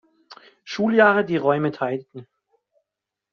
Schuljahr die Räume teilten.